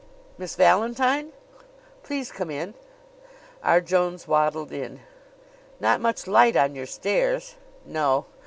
"Miss Valentine?" "Please come in." R. Jones waddled in. "Not much light on your stairs." "No.